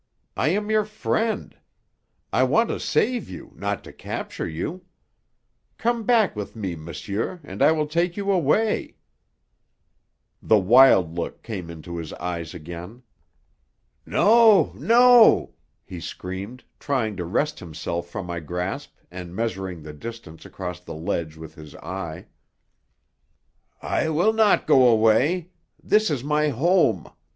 I am your friend; I want to save you, not to capture you. Come back with me, monsieur, and I will take you away " The wild look came into his eyes again. "No, no!" he screamed, trying to wrest himself from my grasp and measuring the distance across the ledge with his eye. "I will not go away. This is my home.